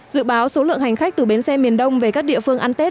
dự báo số lượng hành khách từ bến xe miền đông về các địa phương ăn tết